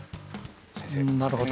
なるほど。